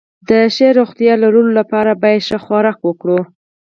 د ښې روغتيا لرلو لپاره بايد ښه خوراک وکړو